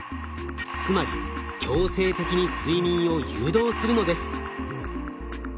つまり強制的に睡眠を誘導するのです。